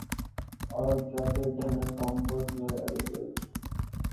All tracks written and composed by Idlewild.